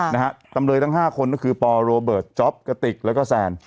นะฮะตำรวจทั้ง๕คนก็คือปโรเบิร์ตจ๊อปกติกแล้วก็แซน